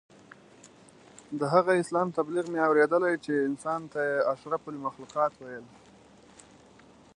د هغه اسلام تبلیغ مې اورېدلی چې انسان ته یې اشرف المخلوقات ویل.